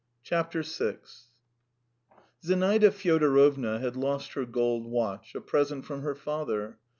VI[edit] Zinaida Fyodorovna had lost her gold watch, a present from her father.